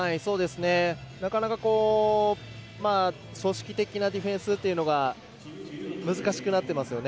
なかなか、組織的なディフェンスというのが難しくなっていますよね。